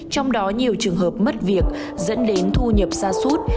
trong đó nhiều trường hợp mất việc dẫn đến thu nhập xa suốt